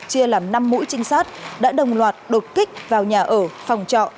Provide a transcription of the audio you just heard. chia làm năm mũi trinh sát đã đồng loạt đột kích vào nhà ở phòng trọ